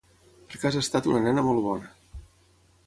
Perquè has estat una nena molt bona.